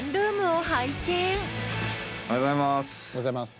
おはようございます。